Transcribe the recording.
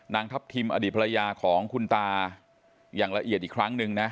ทัพทิมอดีตภรรยาของคุณตาอย่างละเอียดอีกครั้งหนึ่งนะ